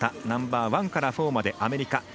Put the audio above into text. ナンバーワンからフォーまでアメリカ。